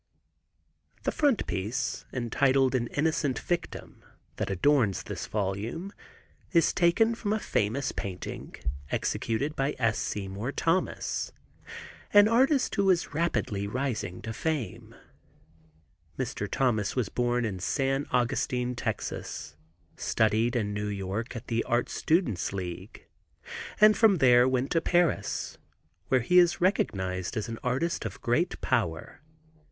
The frontispiece, entitled "An Innocent Victim," that adorns this volume is taken from a famous painting executed by S. Seymour Thomas, an artist who is rapidly rising to fame. Mr. Thomas was born in San Augustine, Tex., studied in New York at the Art Students' League, and from there went to Paris, where he is recognized as an artist of great power.